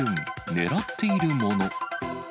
狙っているモノ。